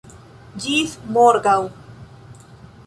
Ĝis morgaŭ.